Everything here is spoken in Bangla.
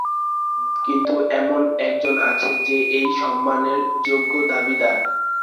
কিন্তু এমন একজন আছে যে এই সম্মানের যোগ্য দাবিদার।